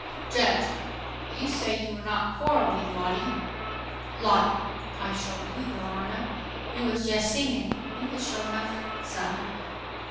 JUDGE: "You say you were not quarreling, Lottie?" LOTTIE: "I sho' do yo' hono'. We wuz jes singin'—we wuz sho' nuf, sah."